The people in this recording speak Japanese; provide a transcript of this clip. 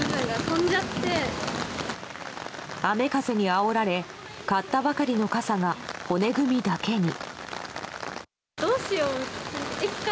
雨風にあおられ買ったばかりの傘が骨組みだけに。